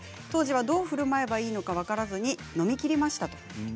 当時は、どうふるまえばいいのか分からず飲みきりました。